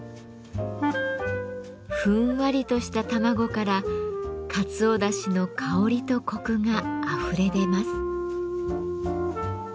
ふんわりとした卵からかつおだしの香りとコクがあふれ出ます。